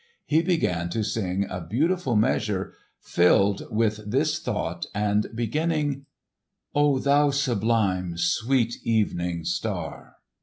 He began to sing a beautiful measure filled with this thought and beginning, "O thou sublime, sweet evening star!"